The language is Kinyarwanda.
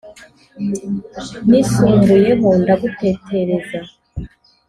nisumbuyeho ndagutetereza